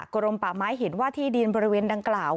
กรมป่าไม้เห็นว่าที่ดินบริเวณดังกล่าว